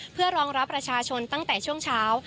เพื่อรองรับประชาชนตั้งแต่ช่วงเช้า